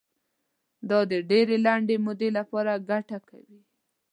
دا د ډېرې لنډې مودې لپاره ګټه کوي.